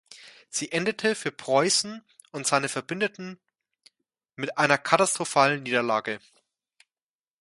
Sie endete für Preußen und seine Verbündeten mit einer katastrophalen Niederlage.